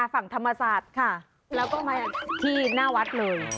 ฝั่งธรรมศาสตร์ค่ะแล้วก็มาที่หน้าวัดเลย